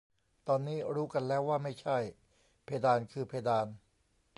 ตอนนี้รู้กันแล้วว่าไม่ใช่ เพดานคือเพดาน